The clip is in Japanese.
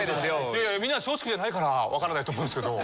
いやいやみんな松竹じゃないから分からないと思うんですけど